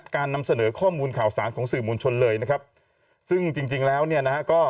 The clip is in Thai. นำเสนอข้อมูลข่าวสารของสื่อมวลชนเลยนะครับซึ่งจริงจริงแล้วเนี่ยนะฮะก็